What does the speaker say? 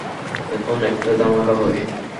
এখন একটা ধামাকা হবে।